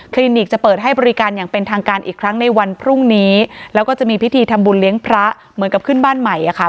นิกจะเปิดให้บริการอย่างเป็นทางการอีกครั้งในวันพรุ่งนี้แล้วก็จะมีพิธีทำบุญเลี้ยงพระเหมือนกับขึ้นบ้านใหม่อะค่ะ